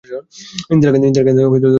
ইন্দিরা গান্ধি তখন ভারতের প্রধানমন্ত্রী।